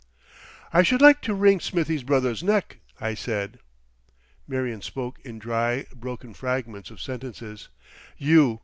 "I should like to wring Smithie's brother's neck," I said.... Marion spoke in dry, broken fragments of sentences. "You...